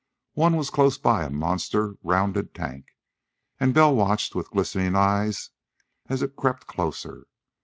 One was close by a monster rounded tank, and Bell watched with glistening eyes as it crept closer.